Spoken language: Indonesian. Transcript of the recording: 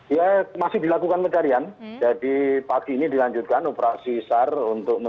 ya masih dilakukan pencarian jadi pagi ini dilanjutkan operasi sar untuk mencari